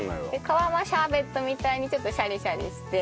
皮はシャーベットみたいにちょっとシャリシャリして。